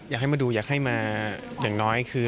อยากให้มาดูอยากให้มาอย่างน้อยคือ